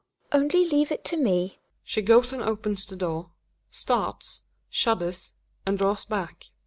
Only leave it to me {She goes and opens the door ; starts^ shudders^ and draws back.)